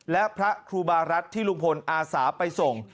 และพระครูบารัฐที่ลุงพลอาสาไปส่ง